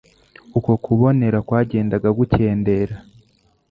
Uko kubonera kwagendaga gukendera